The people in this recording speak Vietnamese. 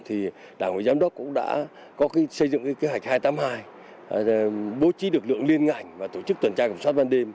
thì đảng ủy giám đốc cũng đã có xây dựng kế hoạch hai trăm tám mươi hai bố trí lực lượng liên ngành và tổ chức tuần tra kiểm soát ban đêm